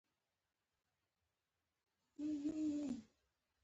په افریقا کې دا پدیده لا پسې پراخه شوه.